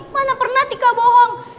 mana pernah tika bohong